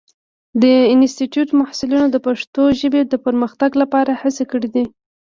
د انسټیټوت محصلینو د پښتو ژبې د پرمختګ لپاره هڅې کړې دي.